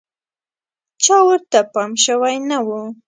چا ورته پام شوی نه و.